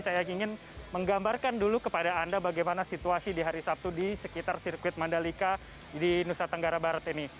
saya ingin menggambarkan dulu kepada anda bagaimana situasi di hari sabtu di sekitar sirkuit mandalika di nusa tenggara barat ini